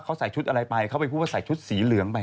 เขาใส่ชุดอะไรไปเขาไปพูดว่าใส่ชุดสีเหลืองไป